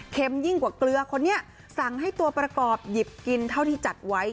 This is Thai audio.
ยิ่งกว่าเกลือคนนี้สั่งให้ตัวประกอบหยิบกินเท่าที่จัดไว้